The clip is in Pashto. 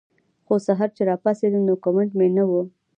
خو سحر چې راپاسېدم نو کمنټ مې نۀ وۀ